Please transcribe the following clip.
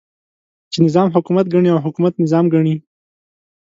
چې نظام حکومت ګڼي او حکومت نظام ګڼي.